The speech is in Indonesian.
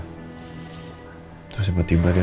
namun sempre jumpa luka aku